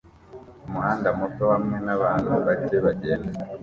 Umuhanda muto hamwe nabantu bake bagenda